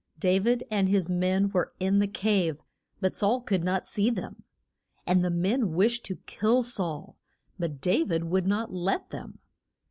Da vid and his men were in the cave, but Saul could not see them. And the men wished to kill Saul; but Da vid would not let them.